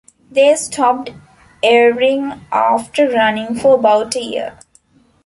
They stopped airing after running for about a year.